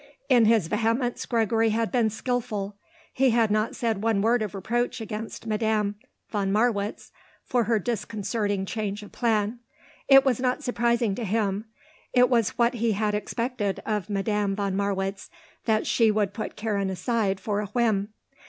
In his vehemence Gregory had been skilful; he had said not one word of reproach against Madame von Marwitz for her disconcerting change of plan. It was not surprising to him; it was what he had expected of Madame von Marwitz, that she would put Karen aside for a whim.